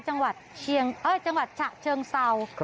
จังหวัดเชียงเอ้ยจังหวัดจะเชิงเซา